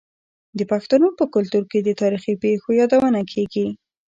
د پښتنو په کلتور کې د تاریخي پیښو یادونه کیږي.